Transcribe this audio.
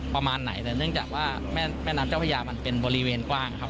ประมาณไหนแต่เนื่องจากว่าแม่น้ำเจ้าพญามันเป็นบริเวณกว้างครับ